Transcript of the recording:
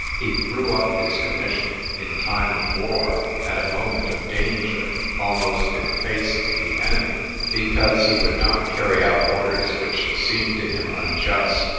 He threw up his commis sion, in time of war, at a moment of danger, almost in face of the enemy, because he would not carry out orders which seemed to him unjust.